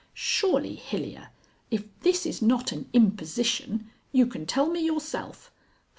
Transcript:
Surely, Hilyer, if this is not an imposition, you can tell me yourself....